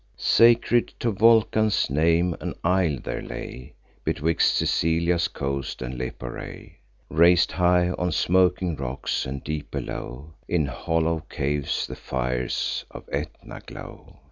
Sacred to Vulcan's name, an isle there lay, Betwixt Sicilia's coasts and Lipare, Rais'd high on smoking rocks; and, deep below, In hollow caves the fires of Aetna glow.